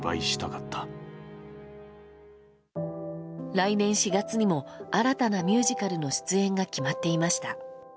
来年４月にも新たなミュージカルの出演が決まっていました。